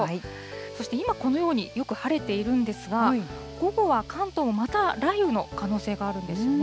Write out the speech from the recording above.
そして今このようによく晴れているんですが、午後は関東、また雷雨の可能性があるんですね。